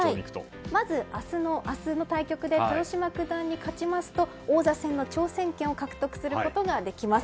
まず明日の対局で豊島九段に勝ちますと王座戦の挑戦権を獲得することができます。